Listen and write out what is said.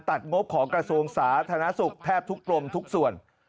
ตัดงบของกระทรวงศาสตร์ธนาศุกร์แทบทุกกลมทุกส่วน